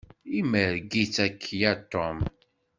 Imerreg-itt akya Tom.